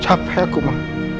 capek aku ma